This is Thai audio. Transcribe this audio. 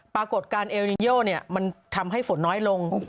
ปรากฏการณ์เอลนิโยมันทำให้ฝนน้อยลง